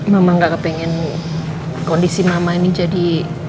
mama ga kepengen kondisi mama ini jadi